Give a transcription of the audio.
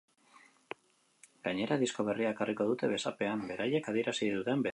Gainera, disko berria ekarriko dute besapean, beraiek adierazi duten bezala.